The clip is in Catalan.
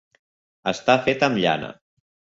Està fet amb llana.